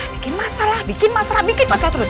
bikin masalah bikin masalah bikin masalah terus